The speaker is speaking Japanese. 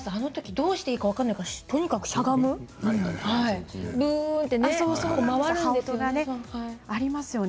どうしていいか分からないからとにかく、しゃがんでぶーんってね、回るんですよね。